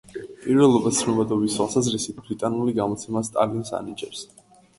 პირველობას ცნობადობის თვალსაზრისით, ბრიტანული გამოცემა სტალინს ანიჭებს.